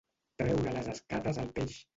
treure les escates al peix